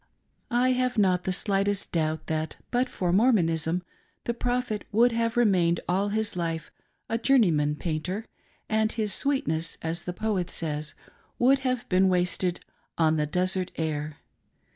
I have not the slightest doubt that, but for Mormonism, the Prophet would have remained all his life a journeyman painter, and his " sweetness," as the poet says, would have been wasted " on the desert air.".